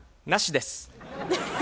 なしです。